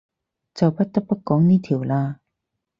就不得不講呢條喇